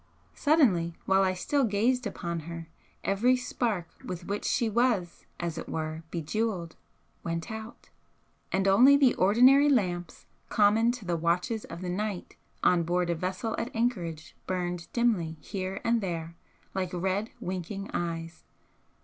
Suddenly, while I still gazed upon her, every spark with which she was, as it were, bejewelled, went out, and only the ordinary lamps common to the watches of the night on board a vessel at anchorage burned dimly here and there like red winking eyes.